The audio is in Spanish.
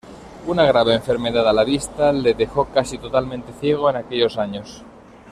Una grave enfermedad a la vista le dejó casi totalmente ciego en aquellos años.